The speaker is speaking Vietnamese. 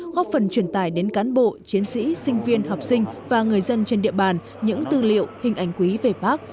góp phần truyền tài đến cán bộ chiến sĩ sinh viên học sinh và người dân trên địa bàn những tư liệu hình ảnh quý về bác